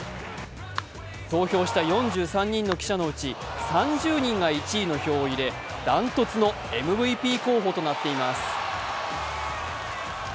投票した４３人の記者のうち３０人が１位の票を入れ、断トツのＭＶＰ候補となっています。